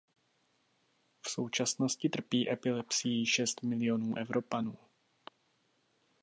V současnosti trpí epilepsií šest milionů Evropanů.